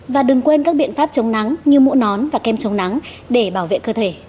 và đừng quên các biện pháp chống nắng như mũ nón và kem chống nắng để bảo vệ cơ thể